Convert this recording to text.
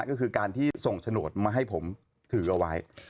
ก็คือการที่ส่งโฉนดมาให้ผมถือเอาไว้